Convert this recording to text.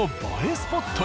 スポットに。